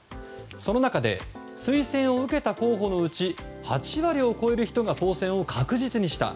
その中で、推薦を受けた候補のうち８割を超える人が当選を確実にした。